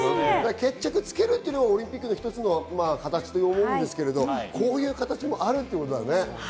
決着つけるっていうのがオリンピックの一つの形だと思うんですけれど、こういう形もあるってことだね。